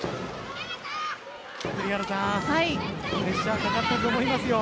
栗原さん、プレッシャーがかかってると思いますよ。